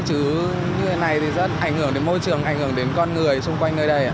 chứ như thế này thì rất ảnh hưởng đến môi trường ảnh hưởng đến con người xung quanh nơi đây